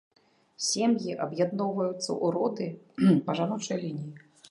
Сем'і аб'ядноўваюцца ў роды па жаночай лініі.